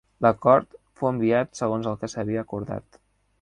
L'acord fou enviat segons el que s'havia acordat.